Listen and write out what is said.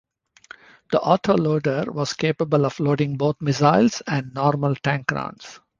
The auto-loader was capable of loading both missiles and normal tank rounds.